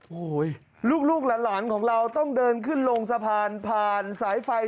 โอ้โหลูกหลานของเราต้องเดินขึ้นลงสะพานผ่านสายไฟ